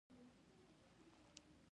مړه ته د ستړي روح سکون غواړو